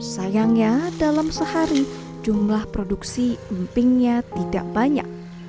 sayangnya dalam sehari jumlah produksi empingnya tidak banyak